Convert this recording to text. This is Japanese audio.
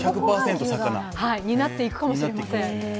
１００％魚になっていくかもしれません。